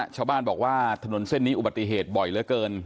ชาวบ้านบอกว่าถนนเส้นนี้อุบัติเหตุบ่อยเหลือเกิน